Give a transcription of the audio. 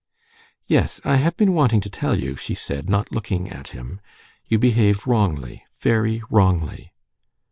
"Yes, I have been wanting to tell you," she said, not looking at him. "You behaved wrongly, very wrongly."